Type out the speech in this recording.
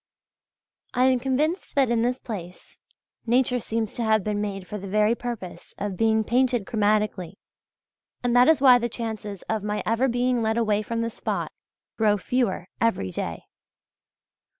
I am convinced that in this place nature seems to have been made for the very purpose of being painted chromatically, and that is why the chances of my ever being led away from the spot, grow fewer every day.